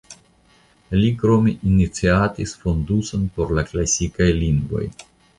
Li krome iniciatis fonduson por la klasikaj lingvoj.